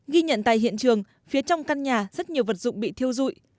ghi nhận tại hiện trường phía trong căn nhà rất nhiều vật dụng bị thiêu dụi